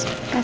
ya udah lah